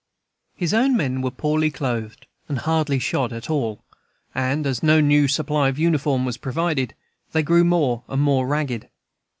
His own men were poorly clothed and hardly shod at all; and, as no new supply of uniform was provided, they grew more and more ragged.